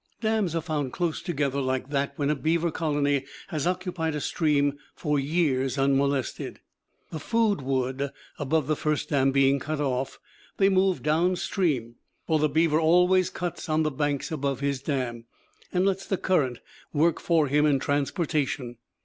Dams are found close together like that when a beaver colony has occupied a stream for years unmolested. The food wood above the first dam being cut off, they move down stream; for the beaver always cuts on the banks above his dam, and lets the current work for him in transportation.